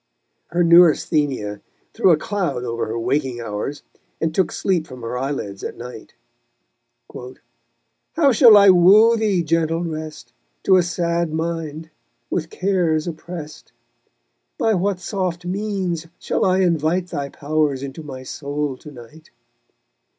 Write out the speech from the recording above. Her neurasthenia threw a cloud over her waking hours, and took sleep from her eyelids at night: _How shall I woo thee, gentle Rest, To a sad mind, with cares oppress'd? By what soft means shall I invite Thy powers into my soul to night?